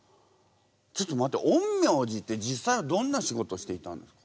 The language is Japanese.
ちょっと待って陰陽師って実際はどんな仕事をしていたんですか？